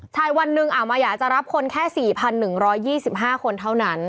ใช่วันหนึ่งมาอยากจะรับคนแค่๔๑๒๕คนเท่านั้น